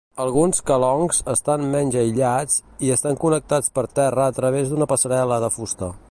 Alguns kelongs estan menys aïllats i estan connectats per terra a través d'una passarel·la de fusta.